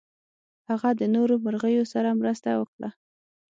هغه د نورو مرغیو سره مرسته وکړه.